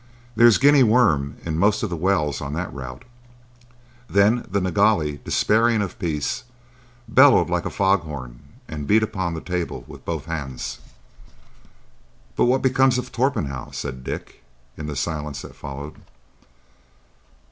—There's Guinea worm in most of the wells on that route." Then the Nilghai, despairing of peace, bellowed like a fog horn and beat upon the table with both hands. "But what becomes of Torpenhow?" said Dick, in the silence that followed.